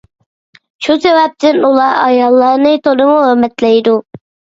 شۇ سەۋەبتىن ئۇلار ئاياللارنى تولىمۇ ھۆرمەتلەيدۇ.